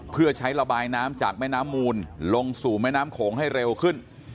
เพื่อใช้ระบายน้ำจากแม่น้ำมูลลงสู่แม่น้ำโขงให้เร็วขึ้น